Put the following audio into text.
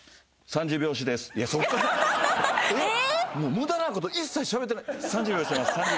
無駄なこと一切しゃべってない「３０秒押してます３０秒」。